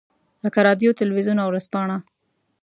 لکه رادیو، تلویزیون او ورځپاڼه.